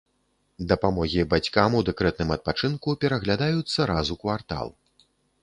Дапамогі бацькам у дэкрэтным адпачынку пераглядаюцца раз у квартал.